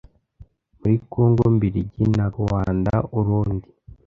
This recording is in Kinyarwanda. muri Kongo mbiligi na Ruanda-Urundi.